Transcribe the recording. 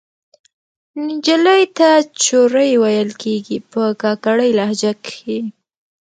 نجلۍ ته چورۍ ویل کیږي په کاکړۍ لهجه کښې